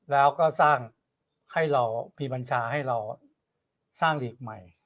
แล้วก็สร้างให้เรามีบัญชาให้เราสร้างหลีกใหม่